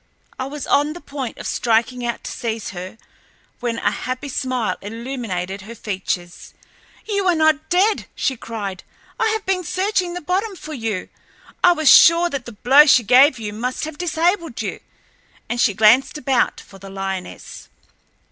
I was on the point of striking out to seize her, when a happy smile illumined her features. "You are not dead!" she cried. "I have been searching the bottom for you. I was sure that the blow she gave you must have disabled you," and she glanced about for the lioness.